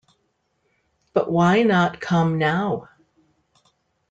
But why not come now?